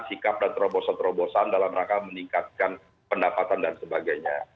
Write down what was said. sikap dan terobosan terobosan dalam rangka meningkatkan pendapatan dan sebagainya